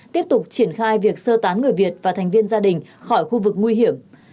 tiếp tục triển khai việc sơ tán người việt và thành viên gia đình khỏi khu vực nguy hiểm